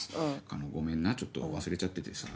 「狩野ごめんなちょっと忘れちゃっててさ」と。